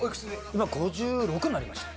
今、５６になりました。